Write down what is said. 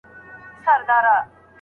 استاد د شاګردانو لپاره علمي ناستې جوړوي.